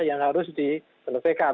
yang harus dikenepikan